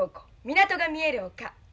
「港が見える丘」。